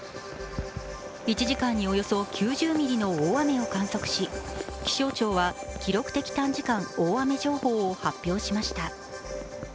１時間におよそ９０ミリの大雨を観測し気象庁は記録的短時間大雨情報を発表しました。